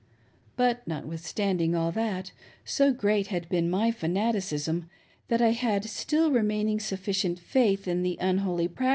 But, notwithstanding all that, so great had been my fanaticism, that I had still re maining sufficient faith in the unholy prp.